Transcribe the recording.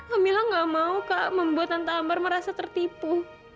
kamilah gak mau kak membuat tante ambar merasa tertipu